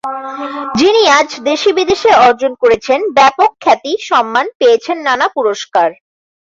যিনি আজ দেশে বিদেশে অর্জন করেছেন ব্যাপক খ্যাতি, সম্মান, পেয়েছেন নানা পুরস্কার।